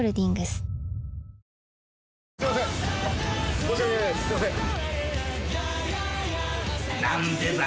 すいません。